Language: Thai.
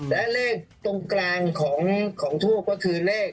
และเลขตรงกลางของทูปก็คือเลข